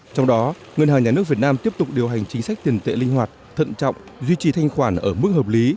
trong đó ngân hàng nhà nước việt nam tiếp tục điều hành chính sách tiền tệ linh hoạt thận trọng duy trì thanh khoản ở mức hợp lý